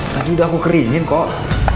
tadi udah aku keringin kok